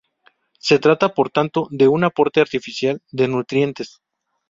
Se trata, por tanto, de un aporte artificial de nutrientes.